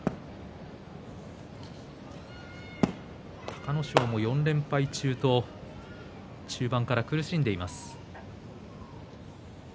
隆の勝も４連敗中と中盤から苦しんでいます。